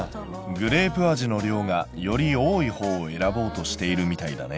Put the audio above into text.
グレープ味の量がより多いほうを選ぼうとしているみたいだね。